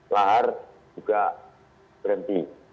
lahar juga berhenti